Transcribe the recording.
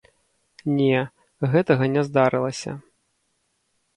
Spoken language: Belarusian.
Не, гэтага не здарылася.